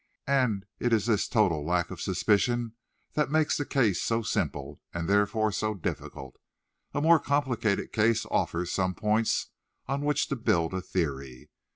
"And it is this total lack of suspicion that makes the case so simple, and therefore so difficult. A more complicated case offers some points on which to build a theory.